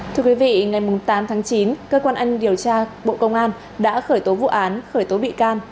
thưa quý vị ngày tám tháng chín cơ quan anh điều tra bộ công an đã khởi tố vụ án khởi tố bị can